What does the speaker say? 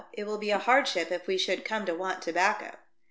It will be a hardship if we should come to want tobacco."